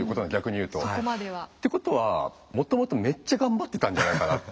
うんそこまでは。ってことはもともとめっちゃ頑張ってたんじゃないかなって。